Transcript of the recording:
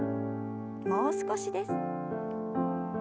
もう少しです。